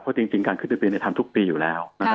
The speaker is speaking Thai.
เพราะจริงการขึ้นไปเรียนในธรรมทุกปีอยู่แล้วนะครับ